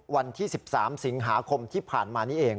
วันที่๑๓สิงหาคมที่ผ่านมานี้เอง